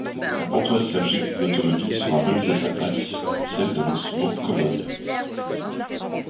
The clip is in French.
À Pontoise-Cergy, l’automobile sera remise à sa place, celle d’un instrument commode.